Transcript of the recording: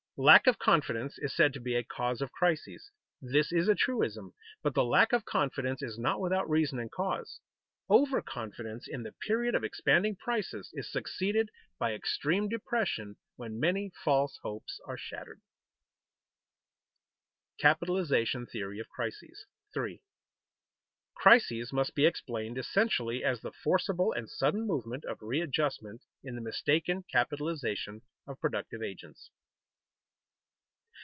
Lack of confidence is said to be a cause of crises. This is a truism, but the lack of confidence is not without reason and cause. Over confidence in the period of expanding prices is succeeded by extreme depression when many false hopes are shattered. [Sidenote: Capitalization theory of crises] 3. _Crises must be explained essentially as the forcible and sudden movement of readjustment in the mistaken capitalization of productive agents.